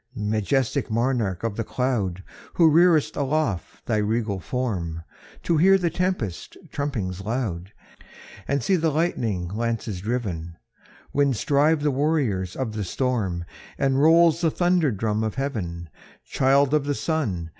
II. Majestic monarch of the cloud, Who rear'st aloft thy regal form, To hear the tempest trumpings loud And see the lightning lances driven, When strive the warriors of the storm, And rolls the thunder drum of heaven, Child of the sun!